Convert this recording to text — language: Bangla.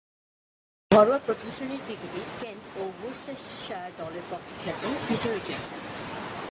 ঘরোয়া প্রথম-শ্রেণীর ক্রিকেটে কেন্ট ও ওরচেস্টারশায়ার দলের পক্ষে খেলতেন পিটার রিচার্ডসন।